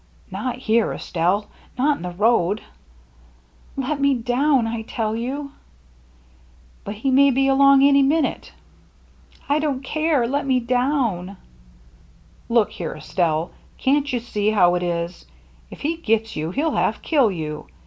" Not here, Estelle ! Not in the road !"" Let me down, I tell you !"" But he may be along any minute." VAN DEELEN'S BRIDGE 303 " I don't care. Let me down." " Look here, Estelle, can't you see how it is ? If he gets you, he'll half kill you.